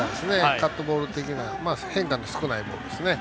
カットボール的な変化の少ないボールですね。